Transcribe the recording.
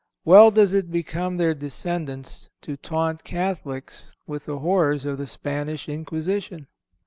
Well does it become their descendants to taunt Catholics with the horrors of the Spanish Inquisition!